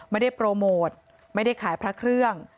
ไม่ได้โปรโมทไม่ได้ขายพระเครื่อง